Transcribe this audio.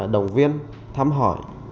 đồng viên thăm hỏi